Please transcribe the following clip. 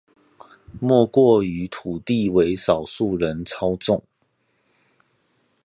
莫過於土地為少數人操縱